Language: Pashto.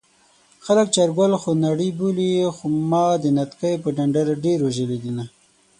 خلک چارګل خونړی بولي ما د نتکۍ په ډنډر ډېر وژلي دينه